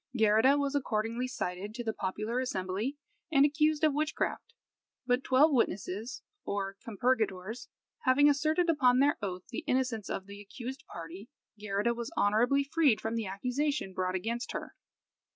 Geirrida was accordingly cited to the popular assembly and accused of witchcraft. But twelve witnesses, or compurgators, having asserted upon their oath the innocence of the accused party, Geirrida was honourably freed from the accusation brought against her.